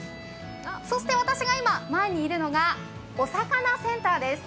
そして、私が今、前にいるのがお魚センターです。